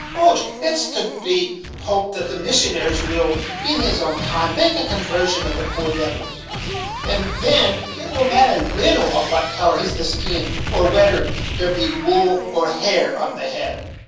Och! it's to be hoped that the missionaries will, in his own time, make a conversion of the poor devils; and then it will matter little of what color is the skin, or wedder there be wool or hair on the head."